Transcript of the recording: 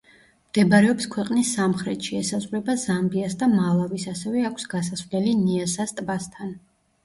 მდებარეობს ქვეყნის სამხრეთში, ესაზღვრება ზამბიას და მალავის, ასევე აქვს გასასვლელი ნიასას ტბასთან.